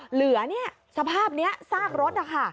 เหลือสภาพนี้ซากรถค่ะ